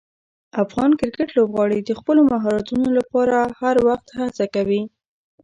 افغان کرکټ لوبغاړي د خپلو مهارتونو لپاره هر وخت هڅه کوي.